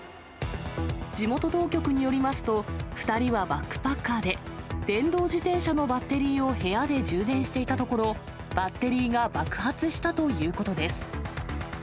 地元当局によりますと、２人はバックパッカーで、電動自転車のバッテリーを部屋で充電していたところ、バッテリーが爆発したということです。